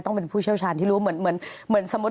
ต้องเป็นผู้เชี่ยวชาญที่รู้เหมือนสมมุติ